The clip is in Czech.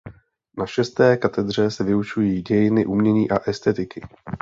Na šesté katedře se vyučují dějiny umění a estetiky.